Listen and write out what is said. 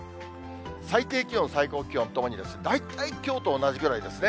最低気温、最高気温ともに大体きょうと同じぐらいですね。